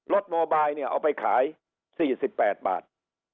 โมบายเนี่ยเอาไปขาย๔๘บาท